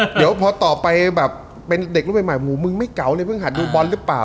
เดี๋ยวพอต่อไปแบบเป็นเด็กรุ่นใหม่หูมึงไม่เก๋าเลยเพิ่งหัดดูบอลหรือเปล่า